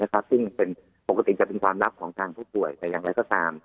ซึ่งเป็นปกติจะเป็นความลับของทางผู้ป่วยแต่อย่างไรก็ตาม